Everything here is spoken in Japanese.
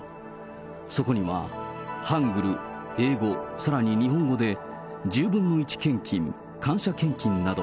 そこにはハングル、英語、さらに日本語で、１０分の１献金、感謝献金など、